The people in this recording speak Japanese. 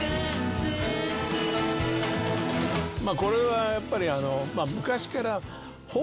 これはやっぱり昔から。